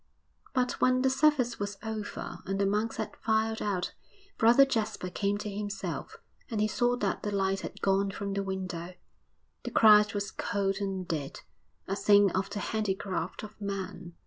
But when the service was over and the monks had filed out, Brother Jasper came to himself and he saw that the light had gone from the window; the Christ was cold and dead, a thing of the handicraft of man.